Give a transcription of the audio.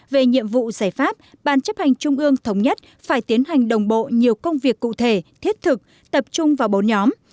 về nhiệm vụ giải pháp ban chấp hành trung ương thống nhất phải tiến hành đồng bộ nhiều công việc cụ thể thiết thực tập trung vào bốn nhóm